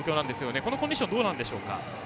このコンディションはどうでしょうか。